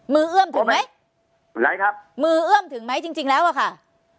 มือเอื้อมถึงไหมมือเอื้อมถึงไหมจริงแล้วอ่ะค่ะ